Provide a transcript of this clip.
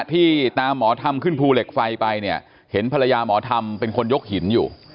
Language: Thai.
ที่ตามหมอธรรมขึ้นภูเหล็กไฟไปเนี่ยเห็นภรรยาหมอธรรมเป็นคนยกหินอยู่